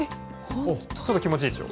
ちょっと気持ちいいでしょう。